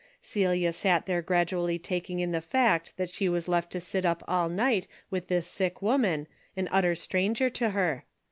Celia sat there gradually taking in the fact that she was left to sit up all night with this sick woman, an utter stranger to her.